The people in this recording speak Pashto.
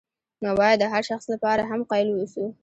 نو باید د هر شخص لپاره هم قایل واوسو.